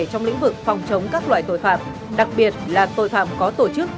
trong lĩnh vực phòng chống các loại tội phạm đặc biệt là tội phạm có tổ chức